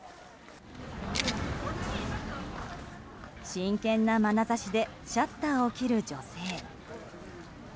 真剣なまなざしでシャッターを切る女性。